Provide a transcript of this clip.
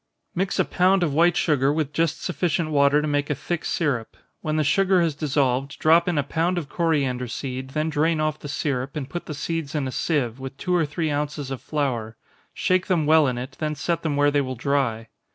_ Mix a pound of white sugar with just sufficient water to make a thick syrup. When the sugar has dissolved, drop in a pound of coriander seed, then drain off the syrup, and put the seeds in a sieve, with two or three ounces of flour shake them well in it, then set them where they will dry.